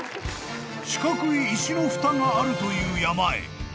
［四角い石のふたがあるという山へ］